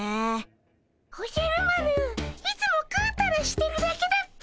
おじゃる丸いつもグータラしてるだけだっピ。